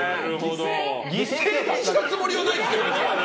犠牲にしたつもりはないですけど。